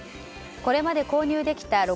これまで購入できた